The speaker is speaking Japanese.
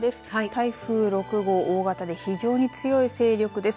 台風６号、大型で非常に強い勢力です。